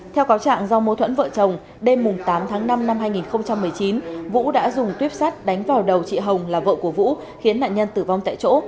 theo cáo trạng do mối thuẫn vợ chồng đêm tám tháng năm năm hai nghìn một mươi chín vũ đã dùng tuyếp sắt đánh vào đầu chị hồng là vợ của vũ khiến nạn nhân tử vong tại chỗ